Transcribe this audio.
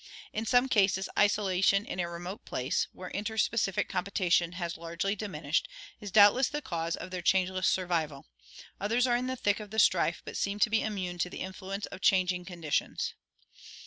In some cases isolation in a remote place, where inter specific competition has largely diminished, is doubtless the cause of their changeless survival; others are in the thick of the strife but seem to be immune to the influence of changing condi tions.